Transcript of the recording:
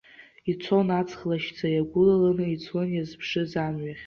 Ицон аҵх лашьца иагәылаланы, ицон иазԥшыз амҩахь.